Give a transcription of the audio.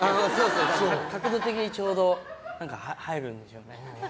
角度的にちょうど、入るんでしょうね。